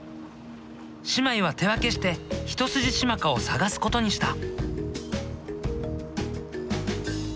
姉妹は手分けしてヒトスジシマカを探すことにした。